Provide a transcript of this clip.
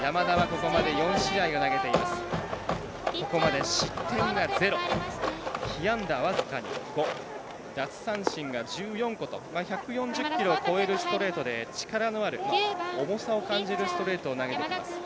ここまで失点が０被安打、僅かに５奪三振が１４個と１４０キロを超えるストレートで力のある重さを感じるストレートを投げてきます。